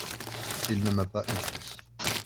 Il ne m’a pas écrit…